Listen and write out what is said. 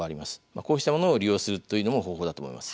こうしたものを利用するというのも方法だと思います。